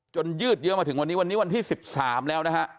ยืดเยอะมาถึงวันนี้วันนี้วันที่๑๓แล้วนะฮะ